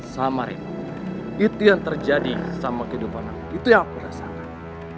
sama reno itu yang terjadi sama kehidupan kamu itu yang aku rasakan